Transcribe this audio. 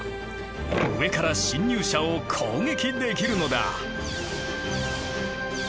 上から侵入者を攻撃できるのだ。